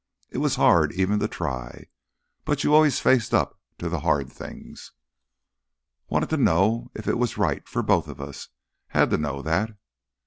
It was hard even to try, but you always faced up to the hard things. "Wanted to know ... if it was right ... for both of us ... had to know that."